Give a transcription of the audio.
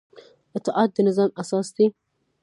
اطاعت د نظام اساس دی